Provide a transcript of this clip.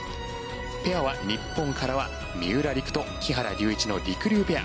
ペアは日本からは三浦璃来と木原龍一のりくりゅうペア。